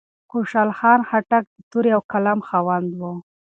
خوشال خان خټک د تورې او قلم خاوند و.